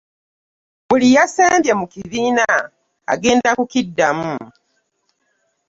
Buli yasembye mu kibiina agenda kukidamu.